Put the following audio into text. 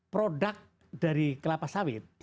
produk dari kelapa sawit